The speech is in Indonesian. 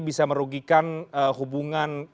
bisa merugikan hubungan